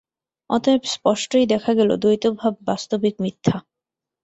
অতএব স্পষ্টই দেখা গেল, দ্বৈতভাব বাস্তবিক মিথ্যা।